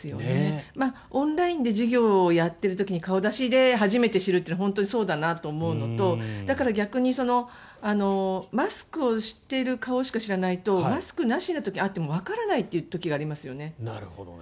オンラインで授業をやっている時に顔出しで初めて知るというのは本当にそうだなと思うのとだから逆にマスクをしてる顔しか知らないとマスクなしの時に会ってもわからないという時がありますよね。